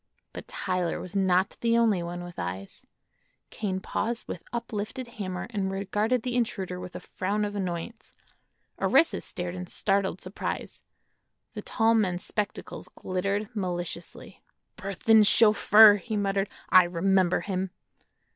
But Tyler was not the only one with eyes. Kane paused with uplifted hammer and regarded the intruder with a frown of annoyance; Orissa stared in startled surprise; the tall man's spectacles glittered maliciously. "Burthon's chauffeur!" he muttered; "I remember him."